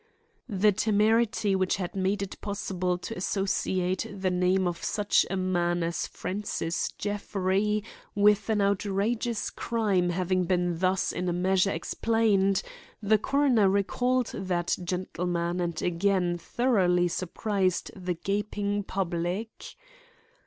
The temerity which had made it possible to associate the name of such a man as Francis Jeffrey with an outrageous crime having been thus in a measure explained, the coroner recalled that gentleman and again thoroughly surprised the gaping public.